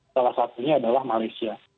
salah satunya adalah malaysia